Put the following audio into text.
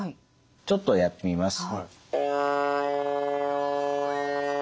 ちょっとやってみます。